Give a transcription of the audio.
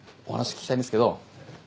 お話聞きたいんですけど。